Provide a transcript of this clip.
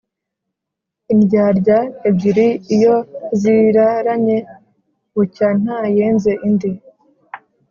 indyarya ebyiri iyo ziraranye bucya ntayenze indi.